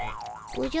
おじゃ？